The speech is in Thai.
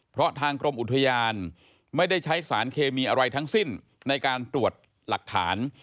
เพราะทางกรมอุทยานไม่ได้ใช้สารเคมีอะไรทั้งสิ้นในการตรวจหลักฐาน